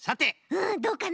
うんどうかな？